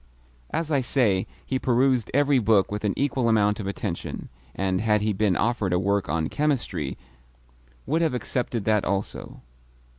As I say, he perused every book with an equal amount of attention, and, had he been offered a work on chemistry, would have accepted that also.